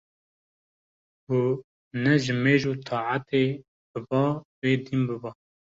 ku ne ji nimêj û taetê biba wê dîn biba